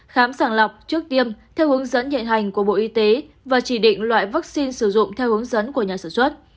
khám sàng lọc trước tiêm theo hướng dẫn nhạy hành của bộ y tế và chỉ định loại vaccine sử dụng theo hướng dẫn của nhà sản xuất